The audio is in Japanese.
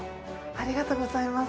ありがとうございます